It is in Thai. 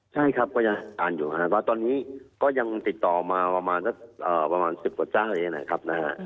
ใช่ครับก็ยังอ่านอยู่แต่ตอนนี้ก็ยังติดต่อมาประมาณ๑๐บาทเจ้าเลยนะครับ